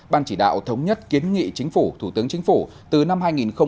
ban chỉ đạo thống nhất kiến nghị chính phủ thủ tướng chính phủ từ năm hai nghìn hai mươi một